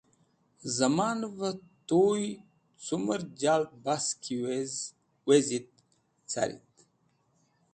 Zemanve Tuy cumer Jaldki Bas wezit, Carit